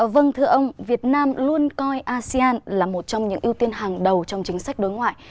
vâng thưa ông việt nam luôn coi asean là một trong những ưu tiên hàng đầu trong chính sách đối ngoại